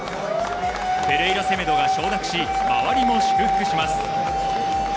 ペレイラセメドが承諾し、周りも祝福します。